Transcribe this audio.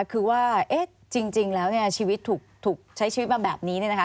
คือว่าจริงแล้วเนี่ยชีวิตถูกใช้ชีวิตมาแบบนี้เนี่ยนะคะ